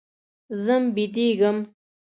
ځم بيدېږم.